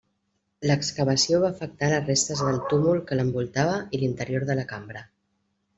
L'excavació va afectar les restes del túmul que l'envoltava i l'interior de la cambra.